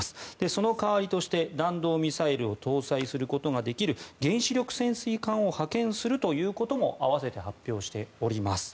その代わりとして弾道ミサイルを搭載することができる原子力潜水艦を派遣することも併せて発表しております。